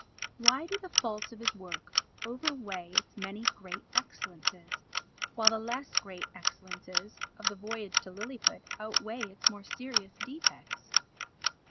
Why do the faults of his work overweigh its many great excellences, while the less great excellences of the Voyage to Lilliput outweigh its more serious defects?